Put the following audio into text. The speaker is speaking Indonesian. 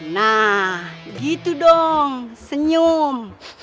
nah gitu dong senyum